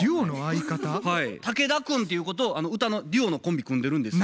竹田くんっていう子と歌のデュオのコンビ組んでるんですよ。